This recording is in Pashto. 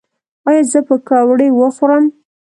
ایا زه پکوړې وخورم؟